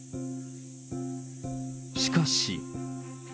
しかし。